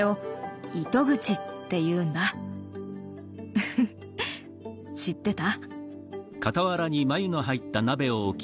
フフッ知ってた？